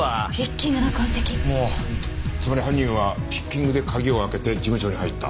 つまり犯人はピッキングで鍵を開けて事務所に入った。